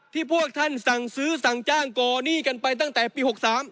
พวกท่านสั่งซื้อสั่งจ้างก่อหนี้กันไปตั้งแต่ปี๖๓